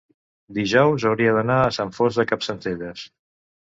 dijous hauria d'anar a Sant Fost de Campsentelles.